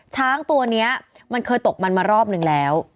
ช้างตัวนี้มันเคยตกมันมารอบนึงแล้ว